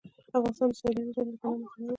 افغانستان د سیلانی ځایونه له پلوه متنوع دی.